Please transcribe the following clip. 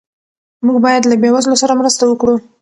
موږ باید له بې وزلو سره مرسته وکړو.